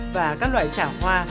và các loại trà hoa